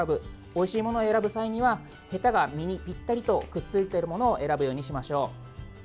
おいしいものを選ぶ際にはへたが実にぴったりとくっついているものを選ぶようにしましょう。